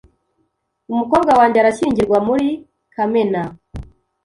Umukobwa wanjye arashyingirwa muri Kamena .